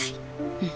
うん。